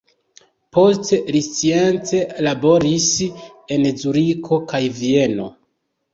Poste li science laboris en Zuriko kaj Vieno.